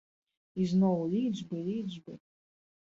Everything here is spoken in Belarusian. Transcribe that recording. І зноў лічбы, лічбы.